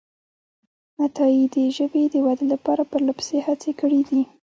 عطایي د ژبې د ودې لپاره پرلهپسې هڅې کړې دي.